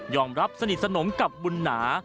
อมรับสนิทสนมกับบุญหนา